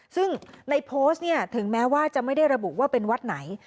ซึ่งในโพสต์เนี่ยถึงแม้ว่าจะไม่ได้ระบุว่าเป็นวัดไหน